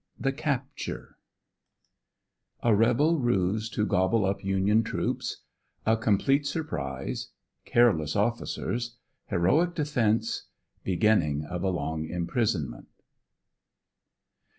THE CAPTURE, A REBEL RUSE TO GOBBLE UP UNION TROOPS — A COMPLETE SUR PRISE — CARELESS OFFICERS — HEROIC DEFENCE — BEGINNING OF A LONG IMPRISONMENT.